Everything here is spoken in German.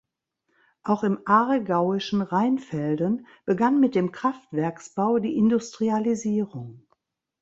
Auch im aargauischen Rheinfelden begann mit dem Kraftwerksbau die Industrialisierung.